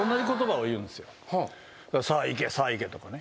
「さあ行けさあ行け」とかね